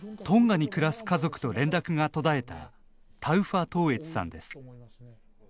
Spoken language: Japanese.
トンガに暮らす家族と連絡が途絶えたタウファ統悦さんです。